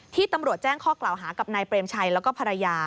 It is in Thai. ตำรวจแจ้งข้อกล่าวหากับนายเปรมชัยแล้วก็ภรรยา